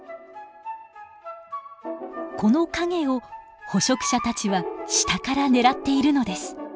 この影を捕食者たちは下から狙っているのです。